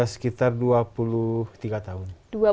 sekitar dua puluh tiga tahun